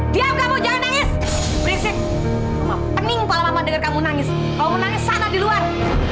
dia kamu jangan nangis berisik pening kepala mendengar kamu nangis kamu nangis sana di luar